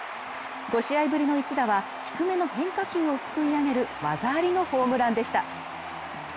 ５試合ぶりの一打は低めの変化球をすくい上げる技ありのホームランでした。